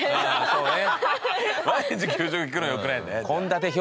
そうね。